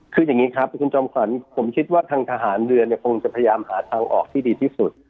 คืออย่างนี้ครับคุณจอมขวัญผมคิดว่าทางทหารเรือเนี่ยคงจะพยายามหาทางออกที่ดีที่สุด